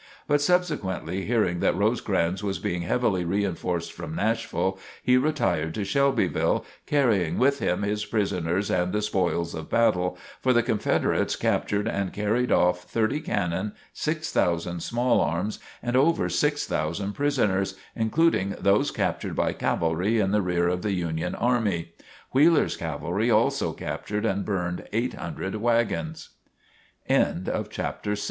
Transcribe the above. But subsequently hearing that Rosecrans was being heavily reinforced from Nashville, he retired to Shelbyville, carrying with him his prisoners and the spoils of battle, for the Confederates captured and carried off 30 cannon, 6,000 small arms, and over 6,000 prisoners, including those captured by cavalry in the rear of the Union army. Wheeler's cavalry also captured and burned 800 wagons. CHAPTER VII PERSONAL NARRATIVE SHELBYVILLE Having p